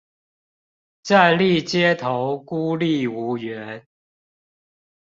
站立街頭孤立無援